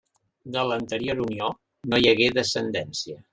De l'anterior unió no hi hagué descendència.